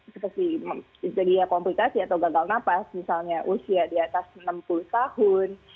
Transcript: seperti jadinya komplikasi atau gagal nafas misalnya usia di atas enam puluh tahun